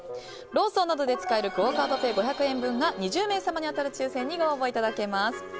ローソンなどで使えるクオ・カードペイ５００円分が２０名様に当たる抽選にご応募いただけます。